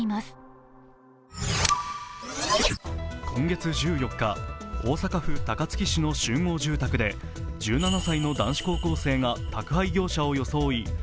今月１４日、大阪府高槻市の集合住宅で１７歳の男子高校生が宅配業者を装い